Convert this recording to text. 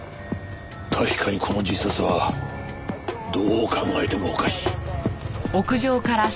確かにこの自殺はどう考えてもおかしい。